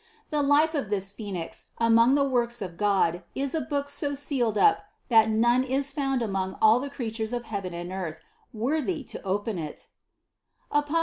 The life of this Phcenix among the works of God is a book so sealed up that none is found among all the creatures of heaven and earth, worthy to open it (Apoc.